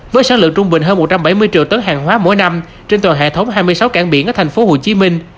với sản lượng trung bình hơn một trăm bảy mươi triệu tấn hàng hóa mỗi năm trên toàn hệ thống hai mươi sáu cảng biển ở thành phố hồ chí minh